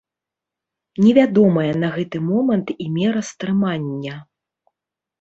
Невядомая на гэты момант і мера стрымання.